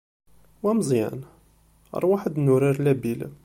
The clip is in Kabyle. Wa Meẓyan, ṛwaḥ ad nurar labil!